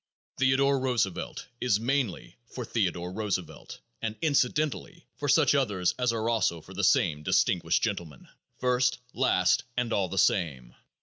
Theodore Roosevelt is mainly for Theodore Roosevelt and incidentally for such others as are also for the same distinguished gentleman, first, last and all the time.